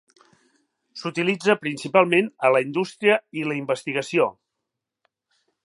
S"utilitza principalment a la indústria i la investigació.